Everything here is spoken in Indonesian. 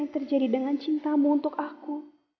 yang terjadi dengan cintamu untuk aku